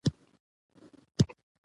• انسانان د خبرو لپاره ږغ ته اړتیا لري.